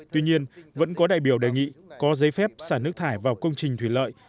tuy nhiên vẫn có đại biểu đề nghị có giấy phép xả nước thải vào công trình thủy lợi